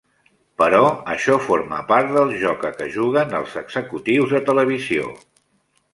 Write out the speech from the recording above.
Però això forma part del joc a què juguen els executius de televisió.